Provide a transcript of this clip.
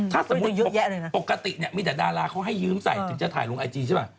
ถ้าสมมุติปกติเนี่ยมีแต่ดาราเขาให้ยืมใส่ถึงจะถ่ายลงไอจีใช่ป่ะ